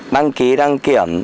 đăng ký đăng kiểm